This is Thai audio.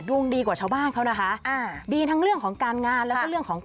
อุบัติเหตุ